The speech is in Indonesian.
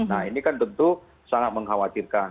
nah ini kan tentu sangat mengkhawatirkan